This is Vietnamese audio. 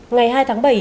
ngày hai tháng bảy